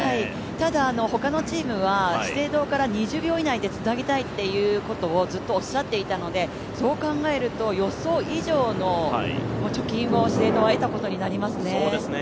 ただほかのチームは資生堂から２０秒以内でつなぎたいということをずっとおっしゃっていたので、そう考えると予想以上の貯金を資生堂は得たことになりますね。